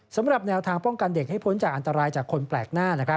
สำหรับแนวทางป้องกันเด็กให้พ้นจากอันตรายจากคนแปลกหน้า